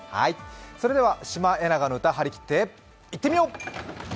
それではシマエナガの歌、張り切って、いってみよう！